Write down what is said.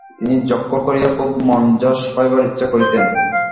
তিনি যজ্ঞ করিয়া খুব মান-যশ পাইবার ইচ্ছা করিতেন।